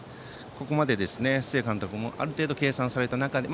ここまで須江監督もある程度計算された中で。